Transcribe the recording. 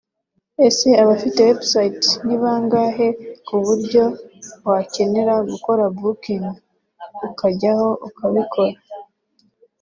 Ese abafite websites ni bangahe ku buryo wakenera gukora Booking ukajyaho ukabikora